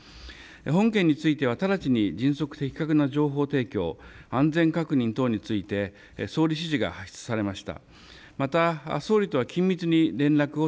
本件については直ちに迅速・的確な情報提供、安全確認等について総理指示が発出されました。